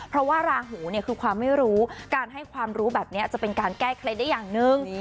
เพราะว่าราหูเนี่ยคือความไม่รู้การให้ความรู้แบบนี้จะเป็นการแก้เคล็ดได้อย่างหนึ่ง